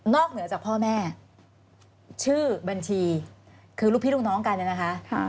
เหนือจากพ่อแม่ชื่อบัญชีคือลูกพี่ลูกน้องกันเนี่ยนะคะ